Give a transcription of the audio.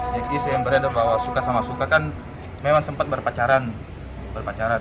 jadi saya berada bahwa suka sama suka kan memang sempat berpacaran